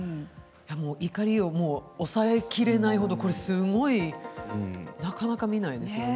怒りを抑えきれない程すごい、なかなか見ないですよね。